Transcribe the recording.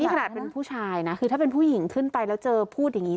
ขนาดเป็นผู้ชายนะคือถ้าเป็นผู้หญิงขึ้นไปแล้วเจอพูดอย่างนี้